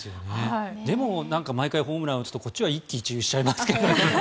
でも毎回ホームランを打つとこっちは一喜一憂しちゃいますけどね。